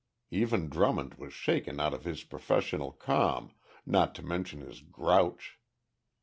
Even Drummond was shaken out of his professional calm, not to mention his grouch.